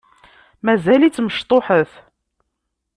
Mazal-itt mecṭuḥet.